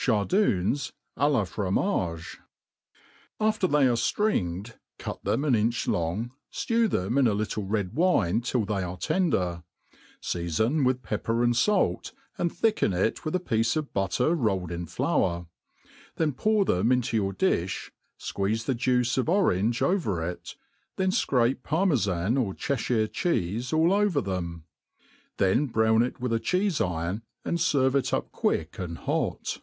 • Chardoons a la Fromagn AFl'Ek they are ftringed, cut them an inch long, ftew them in a little red wine till they ate tender^ ; feafon with pep per and fait, and thicken it with a piece of butter rolled in flour ; then ipour them into your difh, fqueeze the juice of orange over it, then fcrape Parmefan or Chefhire cheefe all over them ; then brown it with a Cheefe iron, and felrve it up quick and hot.